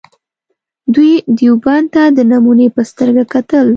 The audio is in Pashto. دوی دیوبند ته د نمونې په سترګه کتل.